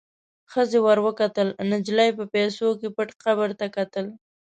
ښخې ور وکتل، نجلۍ په پیسو کې پټ قبر ته کتل.